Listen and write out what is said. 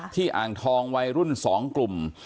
อ่างทองวัยรุ่น๒กลุ่ม